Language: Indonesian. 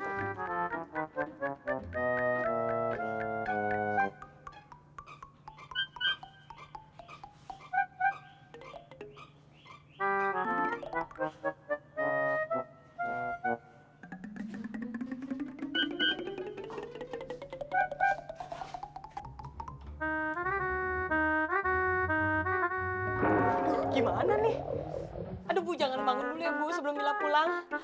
aduh gimana nih aduh bu jangan bangun dulu ya bu sebelum mila pulang